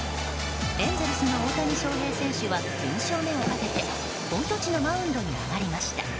エンゼルスの大谷翔平選手は４勝目をかけて本拠地のマウンドに上がりました。